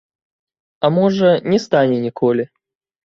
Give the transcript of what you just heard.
А можа, не стане ніколі.